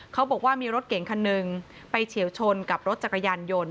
เขาบอกว่ามีรถเก่งคันหนึ่งไปเฉียวชนกับรถจักรยานยนต์